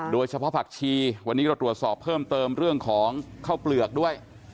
เฉพาะผักชีวันนี้เราตรวจสอบเพิ่มเติมเรื่องของข้าวเปลือกด้วย